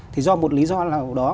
thì do một lý do nào đó